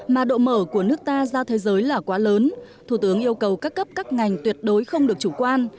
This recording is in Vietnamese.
mà độ mở của nước ta ra thế giới là quá lớn thủ tướng yêu cầu các cấp các ngành tuyệt đối không được chủ quan